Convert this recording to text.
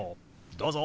どうぞ！